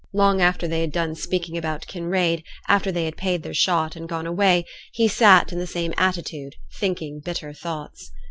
Long after they had done speaking about Kinraid, after they had paid their shot, and gone away, he sate in the same attitude, thinking bitter thoughts.